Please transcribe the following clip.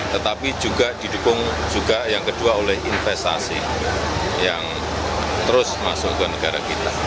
tetapi juga didukung juga yang kedua oleh investasi yang terus masuk ke negara kita